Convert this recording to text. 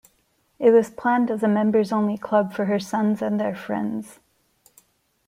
It was planned as a members-only club for her sons and their friends.